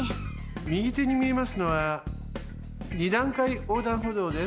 みぎてにみえますのは二段階横断歩道です。